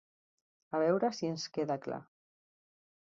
A veure si ens queda clar.